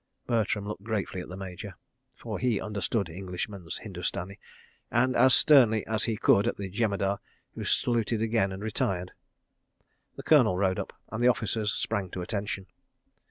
Bertram looked gratefully at the Major (for he understood "Englishman's Hindustani"), and as sternly as he could at the Jemadar, who saluted again and retired. The Colonel rode up, and the officers sprang to attention.